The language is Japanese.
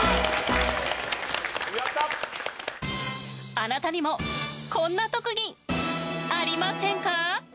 あなたにもこんな特技ありませんか？